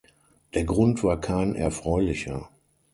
Der Grund war kein erfreulicher.